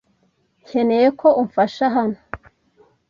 Nkeneye ko umfasha hano.